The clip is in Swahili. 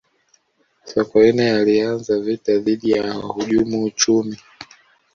sokoine alianza vita dhidi ya wahujumu uchumi